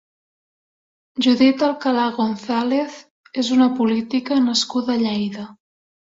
Judith Alcalà Gonzàlez és una política nascuda a Lleida.